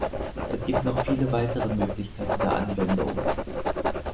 Es gibt noch viele weitere Möglichkeiten der Anwendung.